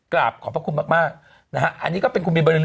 กราบขอบพระคุณมากนะฮะอันนี้ก็เป็นคุณบินบริเ